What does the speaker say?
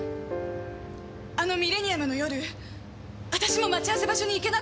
あのミレニアムの夜私も待ち合わせ場所に行けなかったの。